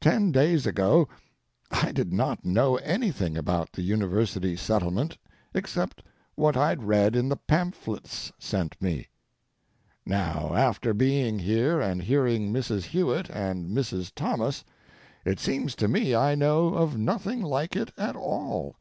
Ten days ago I did not know anything about the University Settlement except what I'd read in the pamphlets sent me. Now, after being here and hearing Mrs. Hewitt and Mrs. Thomas, it seems to me I know of nothing like it at all.